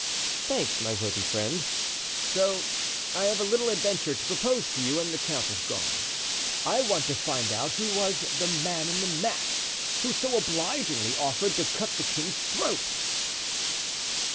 "Thanks, my worthy friend. So I have a little adventure to propose to you when the count is gone. I want to find out who was the man in the mask, who so obligingly offered to cut the king's throat."